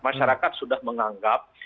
masyarakat sudah menganggap